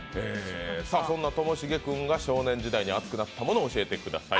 そんなともしげ君が少年時代に熱くなったものを教えてください。